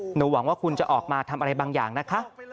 หวังว่าคุณจะออกมาทำอะไรบางอย่างนะคะ